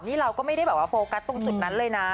นี่เราก็ไม่ได้แบบว่าโฟกัสตรงจุดนั้นเลยนะ